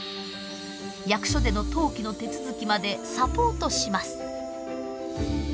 役所での登記の手続きまでサポートします。